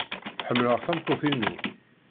Ḥemmleɣ tameṭṭut-inu.